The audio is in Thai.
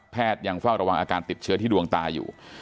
ยังเฝ้าระวังอาการติดเชื้อที่ดวงตาอยู่